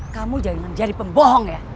kamu jangan menjadi pembohong ya